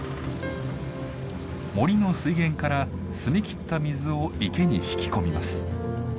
森の水源から澄み切った水を池に引き込みます。